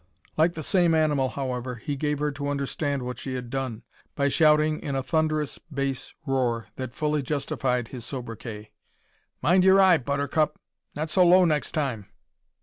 Like the same animal, however, he gave her to understand what she had done, by shouting in a thunderous bass roar that fully justified his sobriquet "Mind your eye, Buttercup! Not so low next time!"